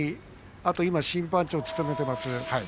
あと審判長を務めています